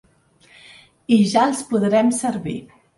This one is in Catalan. I ja els podrem servir.